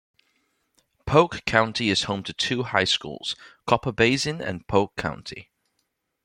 Polk County is home to two high schools, Copper Basin and Polk County.